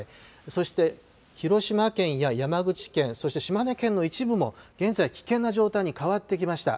そして広島県や山口県、そして島根県の一部も現在、危険な状態に変わってきました。